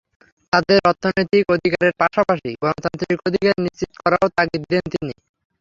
তাঁদের অর্থনৈতিক অধিকারের পাশাপাশি গণতান্ত্রিক অধিকার নিশ্চিত করারও তাগিদ দেন তিনি।